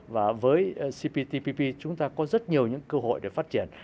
và với cptpp chúng ta có rất nhiều những cơ hội để phát triển